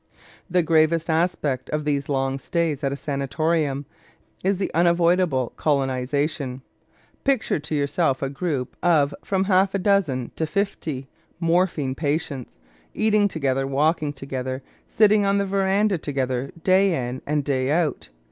The gravest aspect of these long stays at a sanatorium is the unavoidable colonization. Picture to yourself a group of from half a dozen to fifty morphine patients, eating together, walking together, sitting on the veranda together, day in and day out.